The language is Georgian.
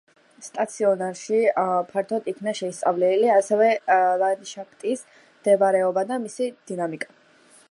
სტაციონარში ფართოდ იქნა შესწავლილი ასევე ლანდშაფტის მდგომარეობა და მისი დინამიკა.